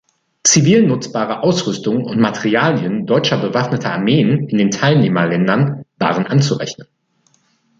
Zivil nutzbare Ausrüstungen und Materialien deutscher bewaffneter Armeen in den Teilnehmerländern waren anzurechnen.